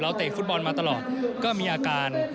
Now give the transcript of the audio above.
เตะฟุตบอลมาตลอดก็มีอาการ